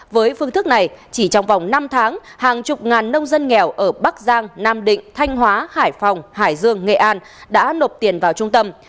với phương thức này chỉ trong vòng năm tháng hàng chục ngàn nông dân nghèo ở bắc giang nam định thanh hóa hải phòng hải dương nghệ an đã nộp tiền vào trung tâm